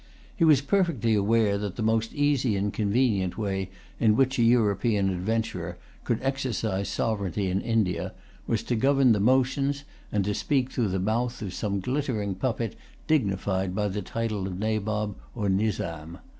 He was perfectly aware that the most easy and convenient way in which an European adventurer could exercise sovereignty in India, was to govern the motions, and to speak through the mouth of some glittering puppet dignified by the title of Nabob or Nizam.